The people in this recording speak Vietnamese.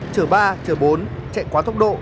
chở ba chở bốn chạy quá tốc độ